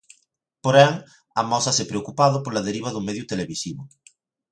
Porén, amósase preocupado pola deriva do medio televisivo.